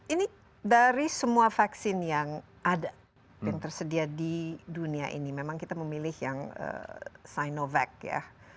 ini dari semua vaksin yang ada yang tersedia di dunia ini memang kita memilih yang sinovac ya